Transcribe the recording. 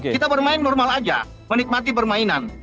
kita bermain normal aja menikmati permainan